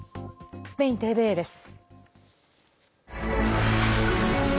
スペインＴＶＥです。